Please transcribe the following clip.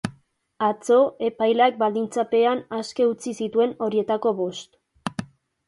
Atzo, epaileak baldintzapean aske utzi zituen horietako bost.